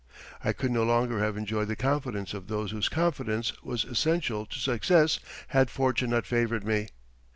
I could no longer have enjoyed the confidence of those whose confidence was essential to success had fortune not favored me.